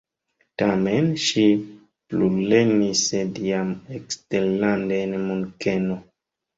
Tamen ŝi plulernis, sed jam eksterlande en Munkeno.